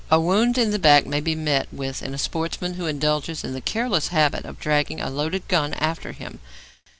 A wound in the back may be met with in a sportsman who indulges in the careless habit of dragging a loaded gun after him.